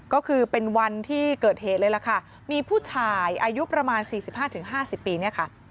ก็คือเป็นวันที่เกิดเหตุเลยล่ะค่ะมีผู้ชายอายุประมาณ๔๕๕๐ปีเนี่ยค่ะ